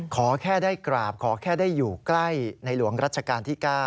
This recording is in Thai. ขอแค่ได้กราบขอแค่ได้อยู่ใกล้ในหลวงรัชกาลที่๙